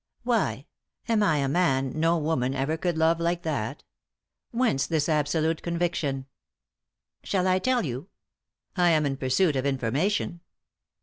" Why ? Am I a nun no woman ever could love like that ? Whence this absolute conviction ?" "Shall I tell yon?" " I am in pursuit of information."